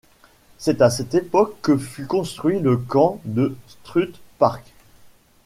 C'est à cette époque que fut construit le camp de Strutt's Park.